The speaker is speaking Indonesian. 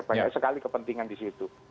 banyak sekali kepentingan disitu